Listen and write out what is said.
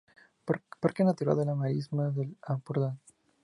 Parque Natural de las Marismas del Ampurdán